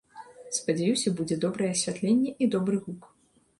Спадзяюся, будзе добрае асвятленне і добры гук.